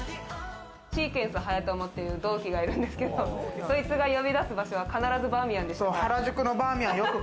シークエンスはやともっていう同期がいるんですけど、そいつが呼び出す場所が必ずバーミヤンで。